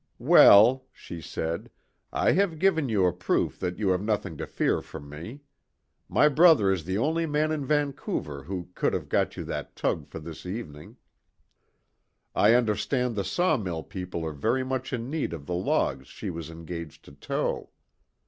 "Well," she said, "I have given you a proof that you have nothing to fear from me. My brother is the only man in Vancouver who could have got you that tug for this evening; I understand the saw mill people are very much in need of the logs she was engaged to tow."